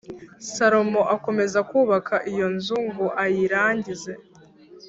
Salomo akomeza kubaka iyo nzu ngo ayirangize